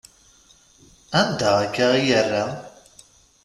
Anda akka i yerra?